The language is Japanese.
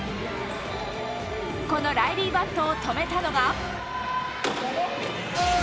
このライリー・バットを止めたのが。